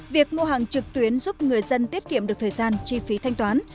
việc mua hàng trực tuyến giúp người dân tiết kiệm được thời gian chi phí thanh toán